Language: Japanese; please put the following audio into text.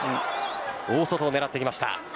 大外を狙っていきました。